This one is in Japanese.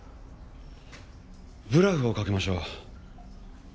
ブラフをかけましょう。